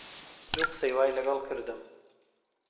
دوو قسەی وای لەگەڵ کردم